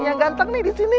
yang ganteng nih disini